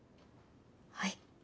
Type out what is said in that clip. はい。